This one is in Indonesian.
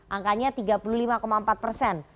angkanya tiga puluh lima empat persen